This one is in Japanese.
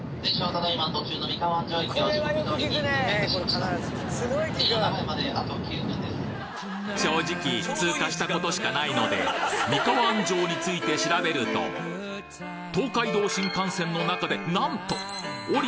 新幹線正直通過したことしかないので三河安城について調べると東海道新幹線の中でなんと！